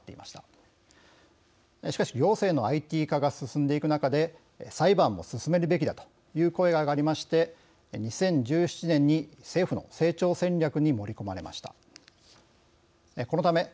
しかし、行政のＩＴ化が進んでいく中で裁判も進めるべきだという声が上がりまして２０１７年に、政府の成長戦略に盛り込まれました。